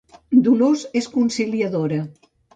Dolors és conciliadora